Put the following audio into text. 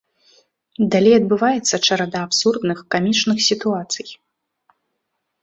Далей адбываецца чарада абсурдных, камічных сітуацый.